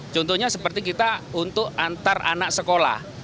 contohnya seperti kita untuk antar anak sekolah